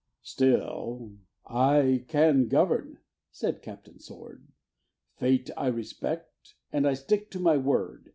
_] "Still I can govern," said Captain Sword; "Fate I respect; and I stick to my word."